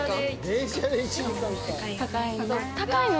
高いの？